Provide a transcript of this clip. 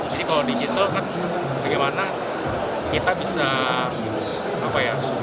jadi kalau digital kan bagaimana kita bisa leverage